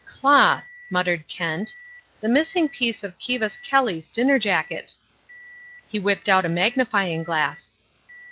"Cloth," muttered Kent, "the missing piece of Kivas Kelly's dinner jacket." He whipped out a magnifying glass.